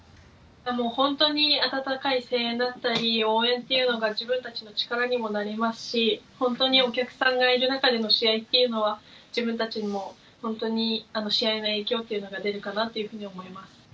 本当に温かい声援だったり応援というのが自分たちの力にもなりますし本当にお客さんがいる中での試合というのは自分たちにも試合の影響というのが出るかなと思います。